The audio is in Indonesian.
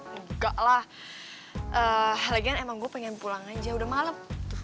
enggak lah lagian emang gue pengen pulang aja udah malem